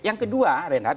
yang kedua reinhardt